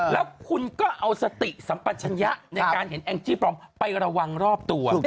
แล้วคุณก็เอาสติสัมปัชญะในการเห็นแองจี้ปลอมไประวังรอบตัว